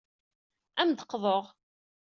Ad am-d-qḍuɣ.